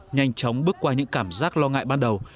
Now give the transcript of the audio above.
nhanh chóng bước qua những cảm giác lo ngại ban đầu